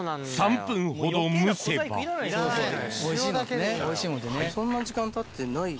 ３分ほど蒸せばそんなに時間たってない。